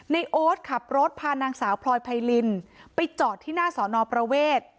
โอ๊ตขับรถพานางสาวพลอยไพรินไปจอดที่หน้าสอนอประเวท